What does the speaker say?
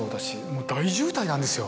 もう大渋滞なんですよ。